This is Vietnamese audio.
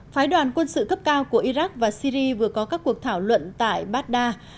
phái đoàn quân sự cấp cao của iraq và syri vừa có các cuộc thảo luận tại baghdad